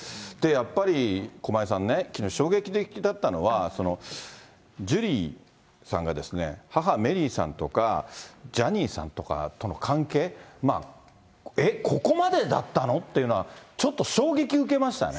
やっぱり駒井さんね、きのう衝撃的だったのは、ジュリーさんが、母、メリーさんとか、ジャニーさんとかとの関係、えっ、ここまでだったのっていうのは、ちょっと衝撃受けましたね。